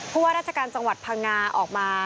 ว่าราชการจังหวัดพังงาออกมา